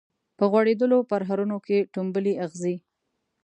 په غوړیدولو پرهرونو کي ټومبلي اغزي